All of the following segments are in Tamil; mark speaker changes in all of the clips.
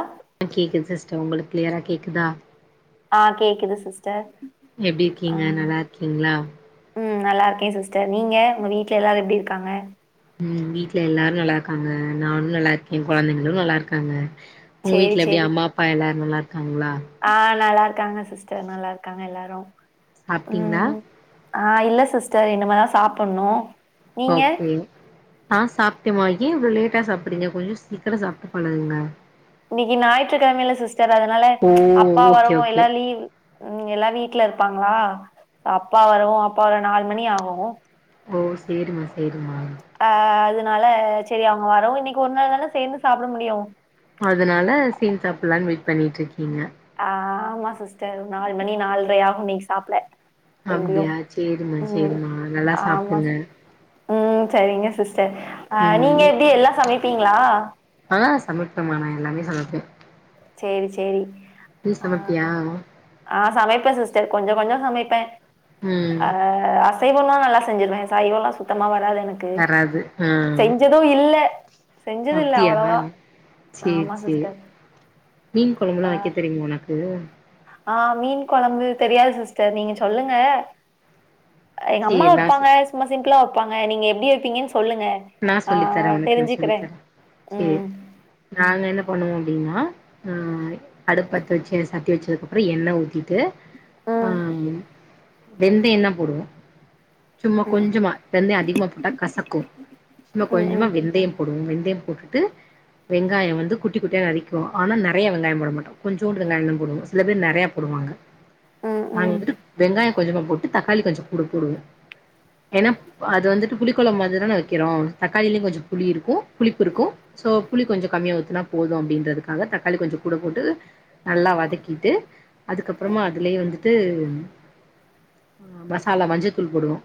Speaker 1: ஆ
Speaker 2: கேக்குது சிஸ்டர் உங்களுக்கு கிளியரா கேக்குதா
Speaker 1: ஆ கேக்குது சிஸ்டர்
Speaker 2: எப்டி
Speaker 1: ஆ
Speaker 2: இருக்கீங்க நல்லாருக்கீங்ளா
Speaker 1: ம் நல்லாருக்கே சிஸ்டர் நீங்க உங்க வீட்ல எல்லாரு எப்டி இருக்காங்க
Speaker 2: ம் வீட்ல எல்லாரு நல்லாருக்காங்க நானு நல்லாருக்கே கொழந்தைங்களு நல்லாருக்காங்க உங்க
Speaker 1: சேரி
Speaker 2: வீட்ல எப்டி
Speaker 1: சேரி
Speaker 2: அம்மா அப்பா எல்லாரு நல்லாருக்காங்ளா
Speaker 1: ஆ நல்லாருக்காங்க சிஸ்டர் நல்லாருக்காங்க எல்லாரு
Speaker 2: சாப்ட்டீங்ளா
Speaker 1: ம் ஆ இல்ல சிஸ்டர் இனிமேதா சாப்புட்னு
Speaker 2: ஓகே ஆ சாப்பிட்ட மா ஏ இ்வ்ளோ லேட்டா சாப்பிறீங்க கொஞ்சோ சீக்கிரோ சாப்ட்டு பழகுங்க
Speaker 1: இன்னைக்கு ஞாயிற்று கெழம இல்ல சிஸ்டர் அதனால
Speaker 2: ஓ
Speaker 1: அப்பா
Speaker 2: ஓகே
Speaker 1: வரவு
Speaker 2: ஓகே
Speaker 1: எல்லா லீவ் ம் எல்லா வீட்ல இருப்பாங்களா அப்பா வரவு அப்பா வர நாலு மணி ஆகு
Speaker 2: ஓ சேரிமா சேரிமா
Speaker 1: ஆ அதுனால செரி அவுங்க வரவு இன்னைக்கு ஒரு நாள் தான சேந்து சாப்ட முடியு
Speaker 2: அதனால சேந்து சாப்பலான் வெயிட் பண்ணிட்ருக்கீங்க
Speaker 1: ஆமா சிஸ்டர் நாலு மணி நால்ரை ஆகு இன்னைக் சாப்ட எப்டியு
Speaker 2: அப்டியா சேரிமா
Speaker 1: ம்
Speaker 2: சேரிமா நல்லா
Speaker 1: ஆமா
Speaker 2: சாப்டுங்க
Speaker 1: சிஸ் ம் சரிங்க சிஸ்டர் ஆ நீங்க
Speaker 2: ம்
Speaker 1: எப்டி எல்லா சமைப்பீங்ளா
Speaker 2: ஆ சமைப்பமா நா எல்லாமே சமப்பே
Speaker 1: சேரி சேரி ஆ
Speaker 2: சமைப்பியா
Speaker 1: ஆ சமைப்பே சிஸ்டர் கொஞ்ச கொஞ்சோ சமைப்பே
Speaker 2: ம்
Speaker 1: ஆ அ அசைவல்லா நல்லா செஞ்சிருவே சைவல்லா சுத்தமா வராது எனக்கு
Speaker 2: வராது ஆ
Speaker 1: செஞ்ச எதுவு இல்ல செஞ்சதில்ல
Speaker 2: அப்டியா
Speaker 1: அவ்ளவா
Speaker 2: சேரி
Speaker 1: ஆமா
Speaker 2: சேரி
Speaker 1: சிஸ்டர்
Speaker 2: மீன் கொழம்புல்லா வெக்க தெரியுமா ஒனக்கு
Speaker 1: ஆ மீன் கொழம்பு தெரியாது சிஸ்டர் நீங்க சொல்லுங்க எங்க அம்மா
Speaker 2: சேரி நா சொ
Speaker 1: வெப்பாங்க சும்மா சிம்பிளா வெப்பாங்க நீங்க எப்டி வெப்பீங்கன் சொல்லுங்க
Speaker 2: நா
Speaker 1: ஆ
Speaker 2: சொல்லித்தரே உனக்கு நா
Speaker 1: தெரிஞ்சிக்கிறே
Speaker 2: சொல்லித்தரே சேரி
Speaker 1: ம்
Speaker 2: நாங்க என்ன பண்ணுவோ அப்டின்னா ம் அடுப்பத்து வச்சே ச தேச்சதுக்கு அப்புறோ எண்ணெ ஊத்திட்டு
Speaker 1: ம்
Speaker 2: ஆ வெந் வெந்தயந்தா போடுவோ சும்மா
Speaker 1: ம்
Speaker 2: கொஞ்சமா வெந்தய அதிகமா போட்டா கசக்கு சும்மா
Speaker 1: ம்
Speaker 2: கொஞ்சமா
Speaker 1: ம்
Speaker 2: வெந்தயம் போடுவோ வெந்தய போட்டுட்டு வெங்காய வந்து குட்டி குட்டியா நரிக்குவோ ஆனா நெறைய வெங்காய போட மாட்டோ கொஞ்சூண்டு வெங்காய தா போடுவோ சில பேர் நெறையா போடுவாங்க
Speaker 1: [inaudible]
Speaker 2: நாங்க
Speaker 1: ம்
Speaker 2: வந்துட்டு வெங்காய கொஞ்சமா போட்டு தக்காளி கொஞ்ச கூட போடுவோ ஏனா அது வந்துட்டு புளிக்கொழம் மாதிரி தான வக்கிறோ தக்காளிலியு கொஞ்ச புளி இருக்கு புளிப்பு இருக்கு சோ புளி கொஞ்ச கம்மியா ஊத்துனா போது அப்டின்றதுக்காக தக்காளி கொஞ்சோ கூட போட்டு நல்லா வதக்கிட்டு அதுக்கப்புறமா அதுலயே வந்துட்டு ஆ மசாலா மஞ்சளத்தூள் போடுவோ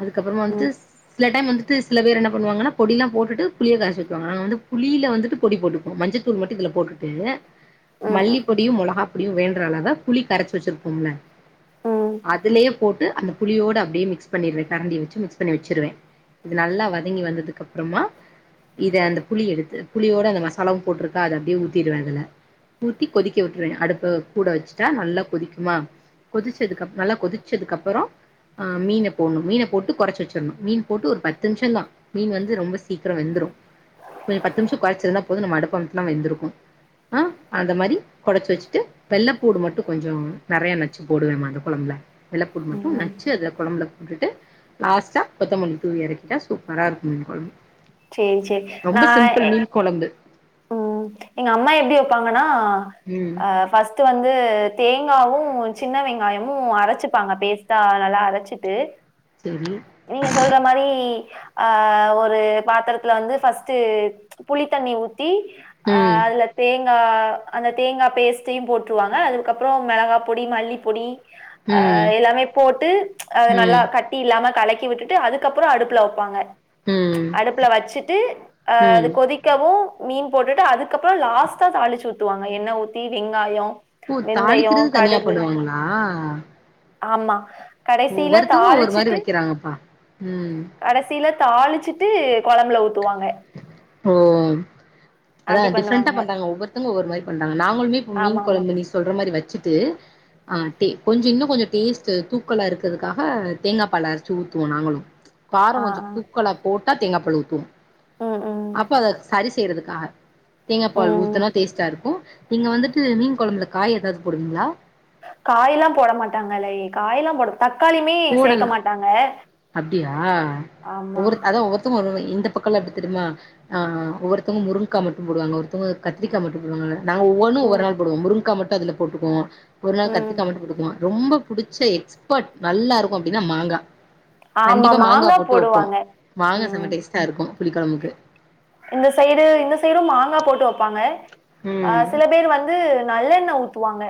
Speaker 2: அதுக்கப்பறமா
Speaker 1: ம்
Speaker 2: வந்துட்டு சில டைம் வந்துட்டு சில பேர் என்ன பண்ணுவாங்கனா பொடிலா போட்டுட்டு புளிய கரச்சி ஊத்துவாங்க நாங்க வந்து புளியில வந்துட்டு பொடி போட்டுப்போ மஞ்ச தூள் மட்டு இதுல போட்டுட்டு மல்லி
Speaker 1: ம்
Speaker 2: பொடியு மொளகா பொடியு வேண்றளவ புளி கரச்சி வச்சிருப்போம்ல்ல
Speaker 1: ம்
Speaker 2: அதுலயே போட்டு அந்த புளியோட ப்டியே மிக்ஸ் பண்ணிர்ற கரண்டி வச்சி மிக்ஸ் பண்ணி வச்சிருவே இது நல்லா வதங்கி வந்ததுக்கப்றமா இத அந்த புளி எடுத்து புளியோட அந்த மசாலாவு போட்டிருக்கா அது அப்டியே ஊத்திருவே அதல ஊத்தி கொதிக்க விட்ருவே அடுப்பு கூட வச்சிட்டா நல்லா கொதிக்குமா கொதிச்சதுக்கப் நல்லா கொதிச்சதுக்கப்பறோ ஆ மீன போனு மீன போட்டு கொறச்சு வச்சிற்னு மீன் போட்டு ஒரு பத்து நிம்ஷந்தா மீன் வந்து ரொம்ப சீக்கிரோ வெந்துரு கொஞ்ச பத்து நிமிஷ கொறச்சிருந்தா போது நம்ம அடுப்ப அம்த்துனா வெந்துருக்கு ஆ அந்த மாரி கொறச்சி வச்சுட்டு வெள்ளப்பூடு மட்டு கொஞ்சோ நெறைய நச்சு போடுவேமா அந்த கொழம்ப்ல வெள்ளப்பூண்டு
Speaker 1: ம்
Speaker 2: மட்டு ந
Speaker 1: ம்
Speaker 2: ல்ல கொழம்புல போட்டுட்டு லாஸ்ட்டா கொத்தமல்லி தூவி எறக்கிட்ட சூப்பரா இருக்கு மீன் கொழம்பு
Speaker 1: சேரி சேரி
Speaker 2: ரொம்ப
Speaker 1: நா
Speaker 2: சிம்பிள்
Speaker 1: எ
Speaker 2: மீன் கொழம்பு
Speaker 1: ம் எங்க அம்மா எப்டி வப்பாங்கன்னா
Speaker 2: ம்
Speaker 1: ஆ ஃபர்ஸ்ட்டு வந்து தேங்காவு சின்ன வெங்காயமு அரச்சிப்பாங்க பேஸ்ட்டா நல்லா அரச்சிட்டு
Speaker 2: செரி
Speaker 1: நீங்க சொல்ற மாரி ஆ ஒரு பாத்தரத்துல வந்து ஃபர்ஸ்ட்டு புளித்தண்ணி ஊத்தி ஆ
Speaker 2: ம்
Speaker 1: அதுல தேங் ஆ அந்த தேங்கா பேஸ்டையு போட்ருவாங்க அதுக்கப்பறோ மெளகா பொடி மல்லிப்பொடி ஆ
Speaker 2: ம்
Speaker 1: எல்லாமே போட்டு அது நல்லா
Speaker 2: ம்
Speaker 1: கட்டி இல்லாம கலக்கி விட்டுட்டு அதுக்கப்பறோ அடுப்புல வப்பாங்க
Speaker 2: ம்
Speaker 1: அடுப்புல வச்சிட்டு ஆ அது
Speaker 2: ம்
Speaker 1: கொதிக்கவு மீன் போட்டுட்டு அதுக்கப்பறோ லாஸ்ட்டா தாளிச்சி ஊத்துவாங்க எண்ணெ ஊத்தி வெங்காயோ
Speaker 2: ஓ தாளிக்கிறது தனியா பண்ணுவாங்களா
Speaker 1: ஆமா கடைசில
Speaker 2: ஒவ்வொருத்தவங்க ஒவ்வொரு மாரி வக்கிறாங்கப்பா ம்
Speaker 1: கடசில தாளிச்சிட்டு கொழம்புல ஊத்துவாங்க
Speaker 2: ஓ அதா
Speaker 1: அப்டி
Speaker 2: டிப்ரண்டா
Speaker 1: பண்ணுவாங்க
Speaker 2: பண்றாங்க ஒவ்வொருத்தங்க ஒவ்வொரு மாரி பண்றாங்க நாங்களுமே இப்ப
Speaker 1: ஆமா
Speaker 2: மீன்
Speaker 1: ஆமா
Speaker 2: கொழம்பு நீ சொல்ற மாரி வச்சிட்டு ஆ டே கொஞ்சோ இன்னும் கொஞ்சோ டேஸ்ட் தூக்கலா இருக்கறதுக்காக தேங்கா பால அரச்சு ஊத்துவோ நாங்களு காரோ
Speaker 1: ஆ
Speaker 2: கொஞ்சோ
Speaker 1: ஆ
Speaker 2: தூக்கலா போட்டா தேங்கா பால் ஊத்துவோ
Speaker 1: ம் ம்
Speaker 2: அப்ப அத சரி செய்யறதுக்காக தேங்கா பால்
Speaker 1: ம்
Speaker 2: ஊத்துனா டேஸ்ட்டா இருக்கு நீங்க வந்துட்டு மீன் கொழம்புல காய் ஏதாது போடுவீங்களா
Speaker 1: காய் எல்லா போட மாட்டாங்களே காய் எல்லா போட தக்காளியுமே சேக்க
Speaker 2: போடலா
Speaker 1: மாட்டாங்க ஆமா
Speaker 2: அது ஒரு இந்த பக்கல்லா எப்டி தெரியுமா ஆ ஒவ்வொருத்தங்க முருங்கக்கா மட்டு போடுவாங்க ஒருத்தவங்க கத்திரிக்கா மட்டு போடுவாங்க நாங்க ஒவ்வொன்னு ஒவ்வொரு
Speaker 1: ம்
Speaker 2: நாள் போடுவோ முருங்கா மட்டு அதுல போட்டுக்குவோ ஒரு நாள்
Speaker 1: ம்
Speaker 2: கத்திக்கா மட்டு போட்டுக்குவோ ரொம்ப புடிச்ச எக்ஸ்பர்ட் நல்லா இருக்கு அப்டின்னா மாங்கா
Speaker 1: ஆமா
Speaker 2: கண்டிப்பா மாங்கா போட்டு வைப்போ
Speaker 1: போடுவாங்க
Speaker 2: மாங்கா செம
Speaker 1: ம்
Speaker 2: டேஸ்ட்டா இருக்கு புளிக்கொழம்புக்கு
Speaker 1: இந்த சைடு இந்த சைடு மாங்கா போட்டு வைப்பாங்க ஆ
Speaker 2: ம்
Speaker 1: சில பேர் வந்து நல்லெண்ணெ ஊத் துவாங்க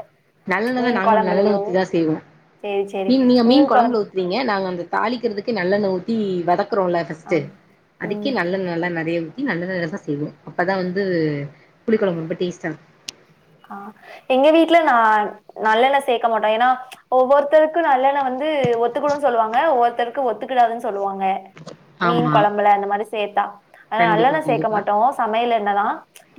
Speaker 2: நல்லெண்ணெதா நாங்களு நல்லெண்ணெ ஊத்திதா செய்வோ
Speaker 1: சேரி சேரி
Speaker 2: மீன் நீங்க மீன் கொழம்புல
Speaker 1: கொழம்பு
Speaker 2: ஊத் நீங்க நாங்க அந்த தாளிக்கிறதுக்கு நல்லெண்ணெ ஊத்தி வதக்குறோல்ல ஃபர்ஸ் த்து
Speaker 1: ஆ ம்
Speaker 2: அதுக்கே நல்லெண்ணெல்லா நெறையா நல்லெண்ணெலதா செய்வோ அப்பதா வந்து புளி கொழம்பு ரொம்ப டேஸ்டா இருக்கு
Speaker 1: ஆ எங்க வீட்ல நா நல்லெண்ணெ சேக்க மாட்டோ ஏன்னா ஒவ்வொருத்தருக்கு நல்லெண்ணெ வந்து ஒத்துக்கவு சொல்லுவாங்க ஒவ்வொருத்தருக்கு ஒத்துக்குடாதுன் சொல்லுவாங்க மீன்
Speaker 2: ஆமா
Speaker 1: கொழம்புல அந்த மாரி சேத்தா ஆன
Speaker 2: கண்டிப்பா
Speaker 1: நல்லெண்ணெ சேக்க
Speaker 2: கண்டிப்பா
Speaker 1: மாட்டோ சமையல் எண்ணெதா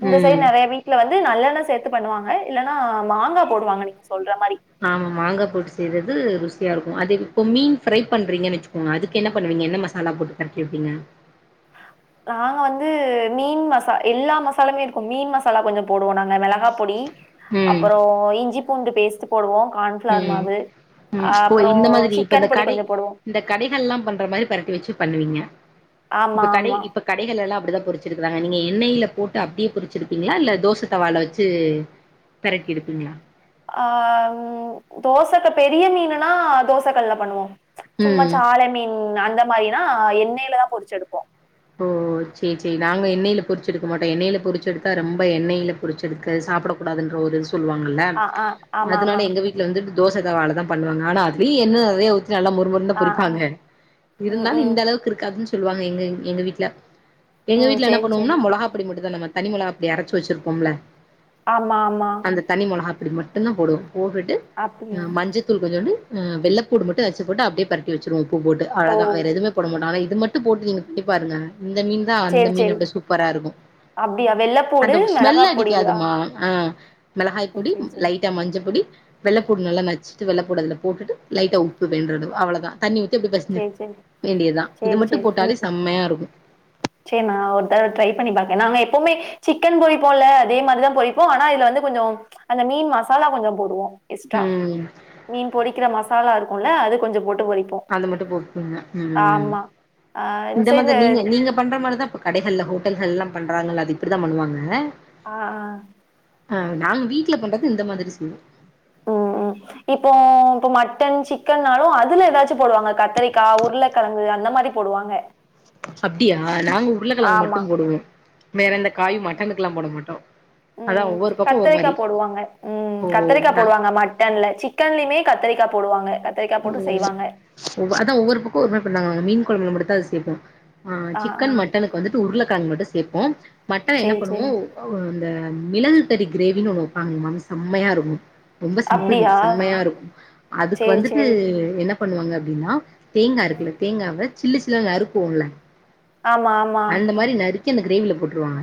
Speaker 1: இந்த சைடு
Speaker 2: ம்
Speaker 1: நெறையா வீட்ல வந்து நல்லெண்ணெ சேத்து பண்ணுவாங்க இல்லன்னா மாங்கா போடுவாங்க நீங்க சொல்ற மாரி
Speaker 2: ஆமா மாங்கா போட்டு செய்றது ருசியா இருக்கு அதேது இப்பவுமே ஃப்ரை பண்றீங்கன்னு வச்சுக்கோங்க அதுக்கு என்ன பண்ணுவீங்க என்ன மசா லா போட்டு பெரட்டி வப்பீங்க
Speaker 1: நாங்க வந்து மீன் மசா எல்லா மசாலுமே இருக்கு மீன் மசாலா கொஞ்சோ போடுவோ நாங்க மெளகா பொடி
Speaker 2: ம்
Speaker 1: அப்பறோ இஞ்சி பூண்டு பேஸ்ட் போடுவோ கார்ன்ஃபிளார்
Speaker 2: ம்
Speaker 1: மாவு
Speaker 2: ம் ஓ
Speaker 1: அப்பறோ
Speaker 2: இந்த மாதிரி இப்ப இந்த
Speaker 1: சிக்கன் பொடி
Speaker 2: கடை
Speaker 1: கொஞ்சோ போடுவோ
Speaker 2: இந்த கடைகள்ல்லா பண்ற மாரி பெரட்டி வச்சி பண்ணுவீங்க இப்ப
Speaker 1: ஆமா
Speaker 2: கடை
Speaker 1: ஆமா
Speaker 2: இப்ப கடைகள்ல எல்லா அப்டிதா பொரிச்சிருக்குறாங்க நீங்க எண்ணெயில போட்டு அப்டியே பொரிச்சி எடுப்பீங்களா இல்ல தோசை தவால வச்சி தரட்டி எடிப்பிங்களா
Speaker 1: ஆ தோசைக்கு பெரிய மீன்னனா தோச கல்ல பண்ணுவ சும்மா
Speaker 2: ம்
Speaker 1: சால மீன் அந்த மாதிரினா எண்ணெயில தா பொரிச்சு எடுப்போ
Speaker 2: ஓ செரி செரி நாங்க எண்ணெய்ல பொறுச்சி எடுக்க மாட்டோ எண்ணெய்ல பொறுச்சி எடுத்தா ரொம்ப எண்ணெயில பொறிச்சி எடுக்குறது சாப்படக்க கூடாதுன்ற ஒரு இது சொல்லுவாங்கல்ல
Speaker 1: ஆ ஆ ஆமா
Speaker 2: அதனால
Speaker 1: ஆமா
Speaker 2: எங்க வீட் வந்துட்டு தோச தவால தா பண்ணுவாங்க ஆனா அதுலியு எண்ண நறைய ஊத் நல்லா மொறு மொறுன்தா
Speaker 1: ஆ ஆ
Speaker 2: பொறிப்பாங்க
Speaker 1: ம்
Speaker 2: இருந்தாலு
Speaker 1: ம்
Speaker 2: இந்த அளவுக்கு இருக்காதுன்னு சொல்லுவாங்க எங்க எங்க வீட்ல எங்க
Speaker 1: ம்
Speaker 2: என்ன
Speaker 1: சேரி சேரி
Speaker 2: பண்ணுவோம்னா மொளகா பொடி மட்டு தா நம்ம தனிமிளகாப்டி அரச்சு வச்சிருப்போம்ல
Speaker 1: ஆமா ஆமா
Speaker 2: அந்த தனி மிளகா பொடி மட்டுதா போடுவோ போட்டுட்டு
Speaker 1: அப்டியா
Speaker 2: மஞ்சத் தூள் கொஞ்சோண்டு வெள்ள பூண்டு மட்டு நச்சுபோட்டு அப்டே பெரட்டி வச்சிருவோ உப்பு போட்டு
Speaker 1: ஓ
Speaker 2: அழகா வேற எதுமே போட மாட்டோ ஆனா இது மட்டு போட்டு நீங்க பண்ணி பாருங்க இந்த மீன் தா அந்த
Speaker 1: சேரி
Speaker 2: மீன்
Speaker 1: சேரி
Speaker 2: அப்டே சூப்பரா இருக்கு
Speaker 1: அப்டியா வெள்ளப்பூடு
Speaker 2: அந்த ஸ்மெல்
Speaker 1: மெளகா பொடியா
Speaker 2: அடிக்காதுமா ஆ மிளகாய்
Speaker 1: ம்
Speaker 2: பொடி
Speaker 1: சேரி சேரி
Speaker 2: லைட்டா மஞ்சபொடி வெள்ளப்பூண்டு நல்லா நச்சிட்டு வெள்ளைப்பூண்டு அதுல போட்டுட்டு லைட்டா உப்பு வேண்டுறது அவ்ளதா தண்ணி ஊத்தி அப்டே பெசஞ்சி
Speaker 1: சேரி சேரி
Speaker 2: வேண்டியதுதா இது
Speaker 1: சேரி
Speaker 2: மட்டு போட்டாலே செம்மையா இருக்கு
Speaker 1: செரி நா ஒரு தடவ ட்ரை பண்ணி பாக்கே நாங்க எப்போமே சிக்கன் பொறிப்போல்ல அதே மாரிதா பொறிப்போ ஆனா இதுல வந்து கொஞ்சோ அந்த மீன் மசாலா கொஞ்சோ போடுவோ எஸ்டா
Speaker 2: ம்
Speaker 1: மீன் பொறிக்கிற மசாலா இருக்குல்ல அது கொஞ்சோ போட்டு பொறி
Speaker 2: அது மட்டு போட்பிங்க ம் ம்,.
Speaker 1: ஆ
Speaker 2: இந்த
Speaker 1: சைடு
Speaker 2: மாதிரி நீங்க நீங்க பண்ற மாரிதா இப்ப கடைகள்ல ஹோட்டல்கள்லா பண்றாங்கல்ல அது இப்டிதா பண்ணுவாங்க
Speaker 1: ஆ ஆ
Speaker 2: ஆ நாங்க வீட்ல பண்றது இந்த மாதிரி செய்வோ
Speaker 1: அ அ இப்போ மட்டன் சிக்கன்னாலு அதுல எதாச்சு போடுவாங்க கத்தரிக்கா உருளக்கெழங்கு அந்த மாரி போடுவாங்க
Speaker 2: அப்டியா நாங்க உருளக்கெழங்கு
Speaker 1: ஆமா
Speaker 2: மட்டு போடுவோ வேற எந்த
Speaker 1: ஆ
Speaker 2: காயு மட்டனுக்கெல்லா போட மாட்டோ அதா
Speaker 1: ம்
Speaker 2: ஒவ்வொரு பக்கோ ஒரு
Speaker 1: கத்தரிக்கா
Speaker 2: மாரி
Speaker 1: போடுவாங்க ம்
Speaker 2: ஓ
Speaker 1: கத்தரிக்கா
Speaker 2: நா
Speaker 1: போடுவாங்க ம ட்டன்ல சிக்கன்லயுமே கத்தரிக்கா போடுவாங்க கத்
Speaker 2: ஓ அதா ஒவ்வொரு பக்கோ ஒருமாரி பண்ணுவாங்க மீன் கொழம்புல மட்டுத்தா அது சேப்போ ஆ சிக்கன் மட்டனுக்கு வந்துட்டு உருளக்கெழங்கு மட்டு சேப்போ மட்டன என்ன
Speaker 1: சேரி சேரி
Speaker 2: பண்ணுவோ ஓ அந்த மிளகு கறி கிரேவின்னு ஒன்னு வப்பாங்க எங்கம் செம்மையா இருக்கு ரொம்ப சிம்பிள்ங்க
Speaker 1: அப்டியா
Speaker 2: செம்மையாருக்கு அதுக்கு
Speaker 1: சேரி
Speaker 2: வந்து
Speaker 1: சேரி
Speaker 2: இதுல என்ன பண்ணுவாங்க அப்டின்னா தேங்கா இருக்குல தேங்காவ சில்லு சில்லா நறுக்குவோல்ல
Speaker 1: ஆமா ஆமா
Speaker 2: அந்த மாரி நறுக்கி அந்த கிரேவில போட்டுருவாங்க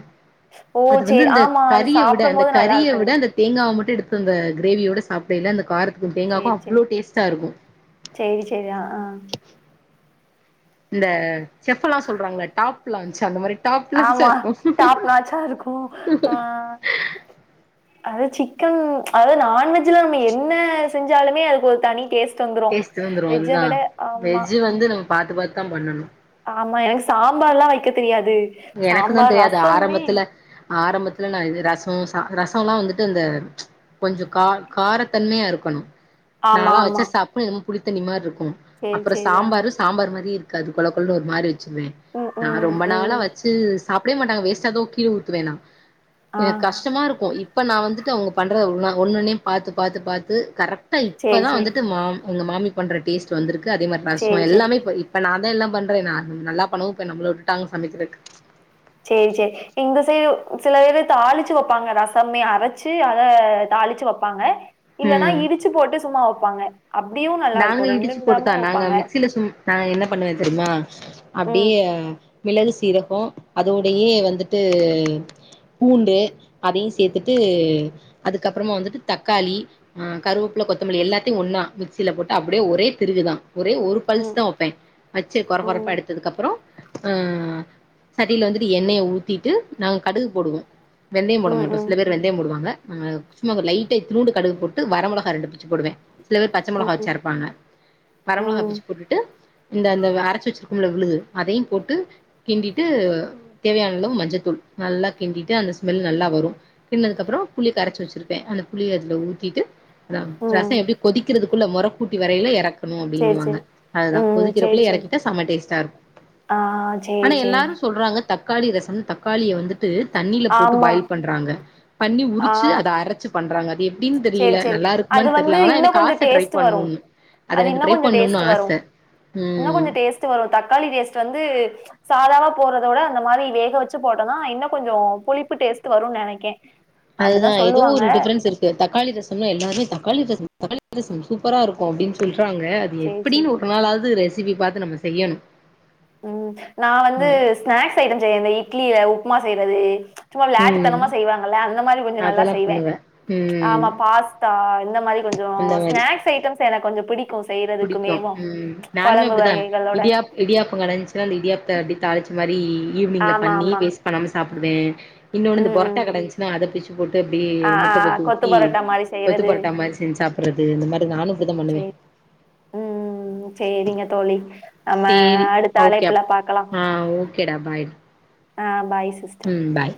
Speaker 1: ஓ
Speaker 2: அது வந்து
Speaker 1: சேரி
Speaker 2: இந்த
Speaker 1: ஆமா அது
Speaker 2: கறிய விட
Speaker 1: சாப்டும்
Speaker 2: அந்த
Speaker 1: போது நல்லா
Speaker 2: கறிய
Speaker 1: இருக்கு
Speaker 2: விட அந்த தேங்கா மட்டு எடுத்து அந்த கிரேவியோட சாப்படைல்ல அந்த காரத்துக்கு தேங்காக்கு
Speaker 1: சேரி சேரி
Speaker 2: அவ்ளோ டேஸ்ட்டாருக்கு
Speaker 1: சேரி சேரி ஆ ஆ
Speaker 2: இந்த செஃப்ல்லா சொல்றாங்கள டாப் லான்ச்சு அந்த மாரி டாப் லான்ச்சா
Speaker 1: ஆமா
Speaker 2: இருக்கு
Speaker 1: டாப்னாச்சாருக்கு ஆ அது சிக்கன் அதாவது நான்வெஜ்ல நம்ம என்ன செஞ்சாலுமே அதுக்கு ஒரு தனி டேஸ்
Speaker 2: டேஸ்ட் வந்துரு அதுதா வெஜ்ஜ வந்து நம் பாத்து பாத்து தா பண்ணனு
Speaker 1: ஆமா எனக்கு சாம்பார்ல்லா வைக்க தெரியாது
Speaker 2: எனக்கு தா
Speaker 1: சாம்பார்
Speaker 2: தெரியாது
Speaker 1: ரசமுமே
Speaker 2: ஆரம்பத்துல ஆரம்பத்துல நா இது ரசோ சா ரசோல்லா வந்துட்டு இந்த‌ கொஞ்சோ கா காரத்தன்மையா இருக்கனு
Speaker 1: ஆமா
Speaker 2: நாலா
Speaker 1: ஆமா
Speaker 2: வச்சா சப்புன்னு எனமோ புளித்தண்ணி மார்ருக்கு
Speaker 1: சேரி
Speaker 2: அப்புறோ
Speaker 1: சேரி ஆ
Speaker 2: சாம்பார் சாம்பார் மாரியே இருக் காது கொள கொளன்னு ஒரு மாரி வச்சுருவே
Speaker 1: ம்
Speaker 2: நா
Speaker 1: ம்
Speaker 2: ரொம்ப நாளா
Speaker 1: ம்
Speaker 2: வச் ச்சு சாப்டே மாட்டாங்க வேஸ்ட்டா தா கீழ ஊத்துவே நா
Speaker 1: ஆ
Speaker 2: எனக் கஷ்டமாருக்கு இ ப்போ நா வந்துட்டு அவுங்க பண்ற ஒன் ஒன்னு ஒன்னயு பாத்து பாத்து பாத்து கரெக் ட்டா
Speaker 1: சேரி
Speaker 2: இப்பதா
Speaker 1: சேரி
Speaker 2: வந்துட்டு மா எங்க மாமி பண்ற டேஸ்ட் வந்துருக்கு அதே மாரி நா ரசொ
Speaker 1: சேரி சேரி
Speaker 2: எல்லாமே இப்ப இப் போ நாந்தா எல்லா பண்றே நா நல்லா பண்ணவு இப்போ நம்ள வுட்டுடாங்க சமைக்கிறக்கு
Speaker 1: சேர் சேரி இங்க செயோ செல பேரு தாளுச்சு வப்பாங்க ரசமே அரச்சு அத தாளுச்சு வப்பாங்க இல்லன்னா
Speaker 2: ம்.
Speaker 1: இடுச்சு போட்டு சும்மா வப்பாங்க அப்டியு ந
Speaker 2: நாங்க இடுச்சு போட்டுதா நாங்க மிக்சில சும் நா என்ன பண்ணுவே தெரியுமா
Speaker 1: ம்.
Speaker 2: அப்டியே மிளகு சீரகோ அதோடையே வந்துட்டு பூண்டு அதையு சேத்துட்டு அதுக்கப்புறமா வந்துட்டு தக்காளி ஆ கருவப்புல்ல கொத்தமல்லி எல்லாத்தையு ஒன்னா மிக் சில போட்டு அப்டியே ஒரே திருகுதா ஒரே ஒரு பல்ஸ்
Speaker 1: ம்.
Speaker 2: தா வப்பே வச்சு கொற கொறப்பா
Speaker 1: ம்.
Speaker 2: எடுத்ததுக்கப்பறோ அ சட்டில வந்துட்டு எண்ணெய ஊத்திட்டு நாங்க கடுகு போடுவோ வெந்தயம் போட
Speaker 1: ம்.
Speaker 2: மாட்டோ
Speaker 1: ம்.
Speaker 2: சில பேரு வெந்தயம் போடுவாங்க ஆ சும்மா அங்க லைட்டா இத்துனூண்டு கடுகு போட்டு வரமெளகா ரெண்டு பிச்சு போடுவே பச்ச மொளகா வச்சு
Speaker 1: ம்.
Speaker 2: அரப்பாங்க வரமொளகா
Speaker 1: ம்.
Speaker 2: பிச்சு போட்டுட்டு இந்த இந்த அரச்சு வச்சிருக்கோம்ல விழுது அதையு போட்டு கிண்டிட்டு தேவையானளவு மஞ்சத்தூள் நல்லா கிண்டிட்டு அந்த ஸ்மெல் நல்லா வரு கின்னதுக்கப்புறோ புளிய கரச்சி வச்சிருப்பே அந்த புளிய அதுல ஊத்திட்டு ரம் ரசோ
Speaker 1: ம்.
Speaker 2: எப்டி கொதிக்கிறதுக்குள்ள மொற கூட்டி வரையில எறக்கு கனு
Speaker 1: சேரி,
Speaker 2: அப்புடின்னுவாங்க
Speaker 1: சேரி.
Speaker 2: அதுதா
Speaker 1: ம். சேரி,
Speaker 2: கொதிக்கிறக்குள்ள
Speaker 1: சேரி.
Speaker 2: எறக்கிட்டா செம டேஸ்ட்டாருக்
Speaker 1: ஆ சேரி,
Speaker 2: ஆனா
Speaker 1: சேரி.
Speaker 2: எல்லாரு சொல்றாங்க தக்காளி ரசம் தக்காளிய வந்துட்டு தண்ணியில போட்டு
Speaker 1: ஆமா.
Speaker 2: பாயில் பண்றாங்க பண்ணி
Speaker 1: ஆ
Speaker 2: உருச்சு அத அரச் ச்சு பண்றாங்க அது எப்டின்
Speaker 1: சேரி,
Speaker 2: தெரியல
Speaker 1: சேரி.
Speaker 2: நல்லா
Speaker 1: அது
Speaker 2: இருக்குமானு
Speaker 1: வந்து
Speaker 2: தெர்ல ஆனா
Speaker 1: இன்னும்
Speaker 2: எனக்கு ஆச
Speaker 1: கொஞ்சம்
Speaker 2: த்த ட்ரை
Speaker 1: டேஸ்ட் வரும்.
Speaker 2: பண்ணனுன் அது எனக்கு
Speaker 1: இன்னும்
Speaker 2: ட்ரை
Speaker 1: கொஞ்சம்
Speaker 2: பண்ணுனு ஆச ம்
Speaker 1: த்து வரு தக்காளி டேஸ்ட்டு வந்து சாதாவா போறதோட அந்த மாரி வேக வச்சு போட்டோனா இன்னு கொஞ்சொ புளிப்பு டேஸ்ட்டு வரு நெனைக்கே அப்டிதா
Speaker 2: அதுதா எதோ
Speaker 1: சொல்லுவாங்க
Speaker 2: ஒரு டிஃப்ரன்ஸ் இருக்கு தக்காளி ரசம்னா எல்லாருமே தக்காளி ரசமா தக்காளி ரசமா சூப்பரா இருக்கு அப்டின்னு சொல்றாங்க அது
Speaker 1: சேரி சேரி
Speaker 2: எப்டின்னு ஒரு நாளாது ரெசிபி பாத்து நம்ம செய்யணு
Speaker 1: ம் நா வந்து ஸ்நாக்ஸ் ஐட்டம் செய்ய இந்த இட்லில உப்புமா செய்யறது சும்மா
Speaker 2: ம்
Speaker 1: விளாட்டுத்தனமா செய்வாங்கல்ல அந்த மாரி கொஞ்சொ நல்லா
Speaker 2: அதெல்லா
Speaker 1: செய்வே
Speaker 2: பண்ணுவே
Speaker 1: ம்ச்சா
Speaker 2: ம்
Speaker 1: ஆமா பாஸ்தா இந்த மாரி கொஞ்சோ
Speaker 2: அந்த மாரி
Speaker 1: ஸ்நாக்ஸ் ஐட்டம்ஸ் எனக் கொஞ்சொ புடிக்கு
Speaker 2: புடிக்கு
Speaker 1: செய்யறதுக்குமேவு கொழம்பு வகைகளோட
Speaker 2: இடியாப்போ கெடைஞ்சுன்ன அந்த இடியாப்பத்த அப்டி தாளிச்ச மாரி ஈவினிங்ல
Speaker 1: ஆமா
Speaker 2: பண்ணி
Speaker 1: ஆமா
Speaker 2: வேஸ்ட் பண்ணாம சாப்டுவே இன்னொன்னு இந்த
Speaker 1: ம்
Speaker 2: பொரட்டா
Speaker 1: ம்
Speaker 2: கெடைச்சுன்னா அத பிச்சு போட்டு அப்டியே
Speaker 1: ஆ ஆ
Speaker 2: முட்ட பொத்து
Speaker 1: கொத்து
Speaker 2: ஊத்தி
Speaker 1: பரோட்டா மாரி
Speaker 2: கொத்து
Speaker 1: செய்யறது
Speaker 2: பொரோட்டா மாரி செஞ்சு சாப்பர்றது இந்த மாரி நானு இப்டிதா பண்ணுவே
Speaker 1: சேரி ம் சேரிங்க தோழி நம்ம
Speaker 2: சேரி
Speaker 1: அடுத்த அழைப்புல பாக்கலா
Speaker 2: சேரிடா பாய்
Speaker 1: ஆ பாய்ஸஸ்
Speaker 2: ம் பாய்